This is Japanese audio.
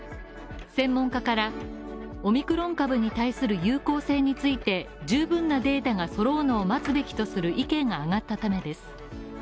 専門家から、オミクロン株に対する有効性について十分なデータがそろうのを待つべきとする意見が上がったためです。